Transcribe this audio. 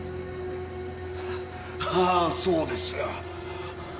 ああそうですよ。